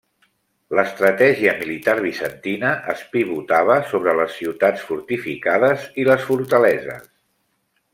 L'estratègia militar bizantina es pivotava sobre les ciutats fortificades i les fortaleses.